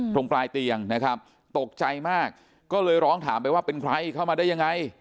ตรงปลายเตียงนะครับตกใจมากก็เลยร้องถามไปว่าเป็นใครเข้ามาได้ยังไง